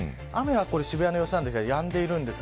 渋谷の様子なんですが雨はやんでいます。